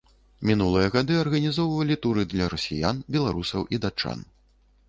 Мінулыя гады арганізоўвалі туры для расіян, беларусаў і датчан.